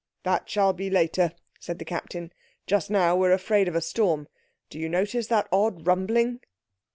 "That shall be later," said the Captain; "just now we're afraid of a storm—do you notice that odd rumbling?"